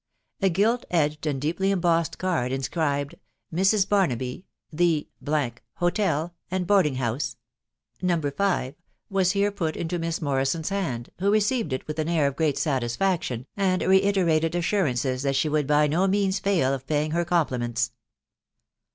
A gilt edged and deeply embossed card, inacribed, — MRS. BARNABY, The Hotel and Boarding House, No. 5. was here put into Miss Morrison's hand, who leceived it win an air of great satisfaction, and reiterated assurances tint sk would by no means fail of paying her compliments.